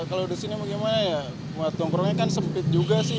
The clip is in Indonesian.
kalau disini gimana ya nongkrongnya kan sempit juga sih